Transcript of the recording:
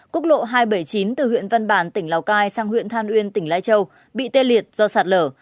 quốc lộ hai trăm bảy mươi chín từ huyện văn bàn tỉnh lào cai sang huyện than uyên tỉnh lai châu bị tê liệt do sạt lở